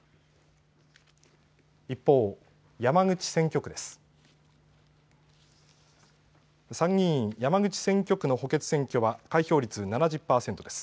一方、山口選挙区です。